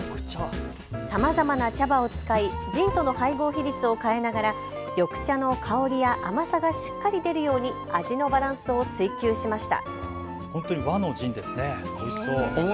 さまざまな茶葉を使いジンとの配合比率を変えながら緑茶の香りや甘さがしっかり出るように味のバランスを追求しました。